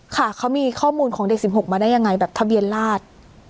ค่ะเขามีข้อมูลของเด็ก๑๖มาได้ยังไงแบบทะเบียนราช